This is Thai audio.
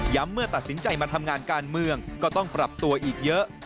เมื่อตัดสินใจมาทำงานการเมืองก็ต้องปรับตัวอีกเยอะ